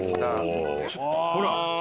ほら。